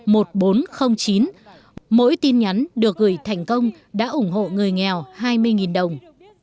mỗi tin nhắn được gửi thành công đã ủng hộ người nghèo hai mươi đồng